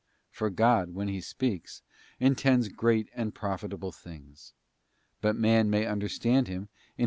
For God, when He speaks, intends great and profitable things; but man may understand Him in his * 1 Cor.